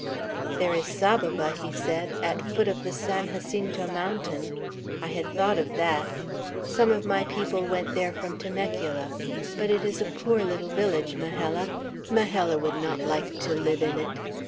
"There is Saboba," he said, "at foot of the San Jacinto Mountain; I had thought of that. Some of my people went there from Temecula; but it is a poor little village, Majella. Majella would not like to live in it.